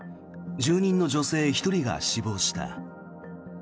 住人の女性１人が死亡した。